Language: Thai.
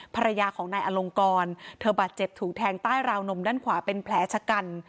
ภรรยาของนายอลงกรเธอบาดเจ็บถูกแทงใต้ราวนมด้านขวาเป็นแผลชะกัน